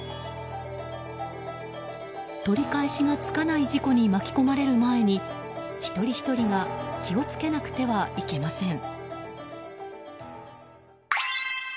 取り返しがつかない事故に巻き込まれる前に一人ひとりが気を付けなくてはいけません。